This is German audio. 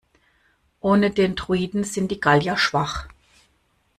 Ohne den Druiden sind die Gallier schwach.